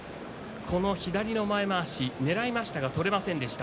左の前まわし、ねらいましたが取れませんでした。